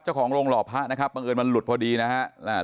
เจ้าของโรงหล่อพระนะครับบังเอิญมันหลุดพอดีนะฮะ